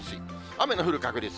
雨の降る確率。